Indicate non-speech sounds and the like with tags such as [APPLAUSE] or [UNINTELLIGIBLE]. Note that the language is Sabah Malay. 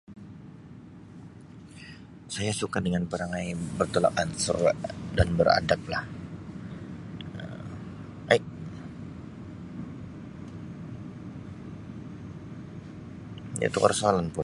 Saya suka dengan perangai bertolak ansur [UNINTELLIGIBLE] dan beradab lah Um aip dia tukar soalan pul.